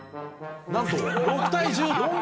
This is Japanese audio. なんと６対１４。